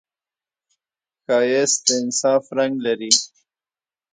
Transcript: ښایست د انصاف رنګ لري